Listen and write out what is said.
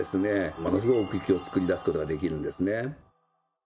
ものすごい奥行きを作り出すことができるんですね。